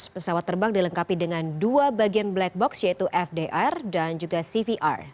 pesawat terbang dilengkapi dengan dua bagian black box yaitu fdr dan juga cvr